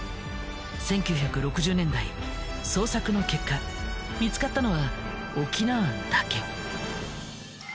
１９６０年代捜索の結果見つかったのは翁庵だけ。